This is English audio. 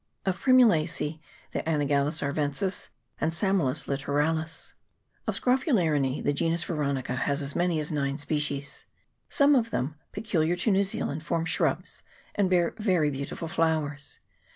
Of Primulacece the Anagallis arvensis and Samolus litoralis. CHAP. XXIX.] NEW ZEALAND. 431 Of Scrophularinea, the genus Veronica has as many as 9 species. Some of them, peculiar to New Zealand, form shrubs, and bear very beautiful flowers.